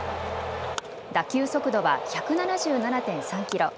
打球速度は１７７．３キロ。